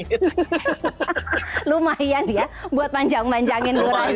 hahaha lumayan ya buat panjang panjangin lu razie